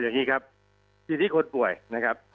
อย่างนี้ครับทีนี้คนป่วยนะครับ